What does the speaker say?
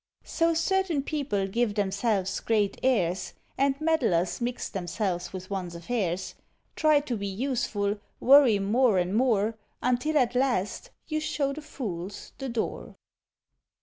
So, certain people give themselves great airs, And meddlers mix themselves with one's affairs; Try to be useful, worry more and more, Until, at last, you show the fools the door.